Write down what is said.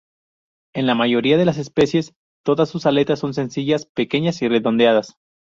En la mayoría de las especies, todas sus aletas son sencillas, pequeñas y redondeadas.